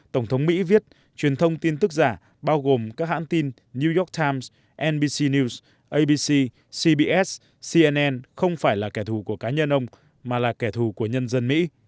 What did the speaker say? tổng thống mỹ viết truyền thông tin tức giả bao gồm các hãng tin như yok times nbc news abc cbs cnn không phải là kẻ thù của cá nhân ông mà là kẻ thù của nhân dân mỹ